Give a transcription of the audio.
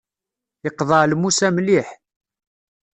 Yeqḍeɛ lmus-a mliḥ.